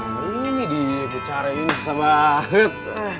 nah ini dikucarain susah banget